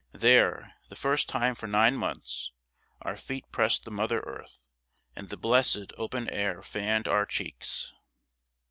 There, the first time for nine months, our feet pressed the mother earth, and the blessed open air fanned our cheeks.